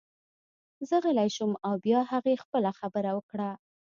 زه غلی شوم او بیا هغې خپله خبره وکړه